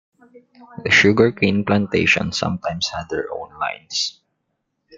The sugarcane plantations sometimes had their own lines.